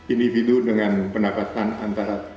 individu dengan pendapatan antara